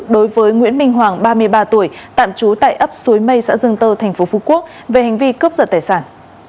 đối với nguyễn minh hoàng ba mươi ba tuổi tạm trú tại ấp suối mây xã dương tơ tp phú quốc về hành vi cướp giật tài sản